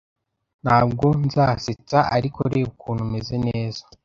Ntabwo nzasetsa. Ariko reba ukuntu meze neza. "